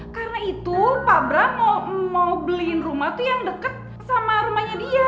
karena itu pak bram mau beliin rumah tuh yang deket sama rumahnya dia